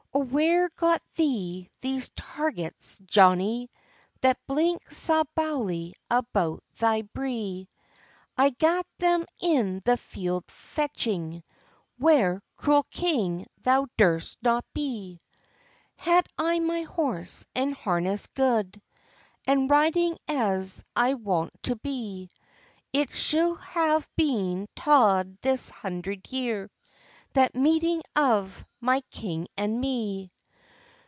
"Oh, where got thee these targats, Johnnie. That blink sae brawly {90b} aboon thy brie?" "I gat them in the field fechting, {90c} Where, cruel king, thou durst not be. "Had I my horse and harness gude, And riding as I wont to be, It shou'd have been tauld this hundred year, The meeting of my king and me!